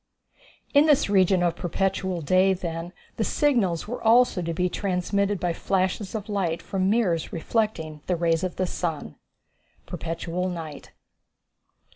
In this region of perpetual day, then, the signals were also to be transmitted by flashes of light from mirrors reflecting the rays of the sun. Perpetual Night!